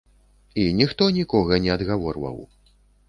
І ніхто нікога не адгаворваў.